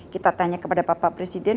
kita tanya kepada bapak presiden